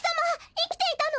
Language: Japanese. いきていたの？